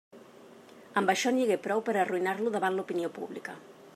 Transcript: Amb això n'hi hagué prou per a arruïnar-lo davant l'opinió pública.